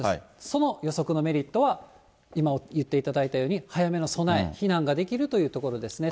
その予測のメリットは、今言っていただいたように、早めの備え、避難ができるというところですね。